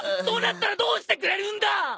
そうなったらどうしてくれるんだ！？